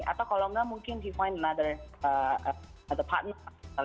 atau kalau enggak mungkin he find another partner